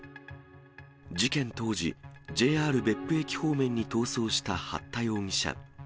事件当時、ＪＲ別府駅方面に逃走した八田容疑者。